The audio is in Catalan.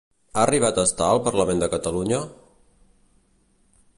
Ha arribat a estar al Parlament de Catalunya?